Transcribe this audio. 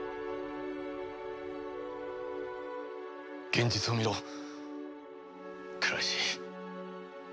「現実を見ろ倉石。